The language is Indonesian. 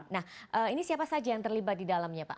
nah ini siapa saja yang terlibat di dalamnya pak